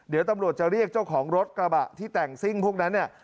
เดี๋ยวตำรวจจะเรียกเจ้าของรถกระบะที่แต่งซิ่งพวกนั้นเนี่ย